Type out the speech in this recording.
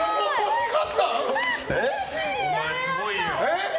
お前、すごいよ。